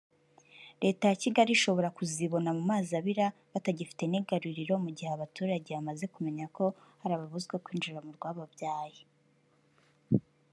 leta yakigari ishobora kuzibonamumazi abira batangifite ningaruriro mugihe abaturage bamazekumenya ko harababuzwakwinjiramurwababyaye